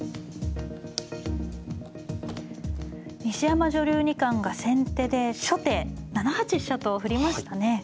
西山女流二冠が先手で初手７八飛車と振りましたね。